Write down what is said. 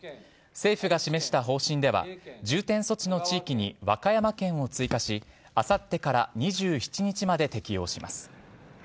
政府が示した方針では重点措置の地域に和歌山県を追加しあさってから２７日まで適用します。